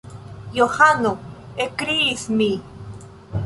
Johano! ekkriis mi.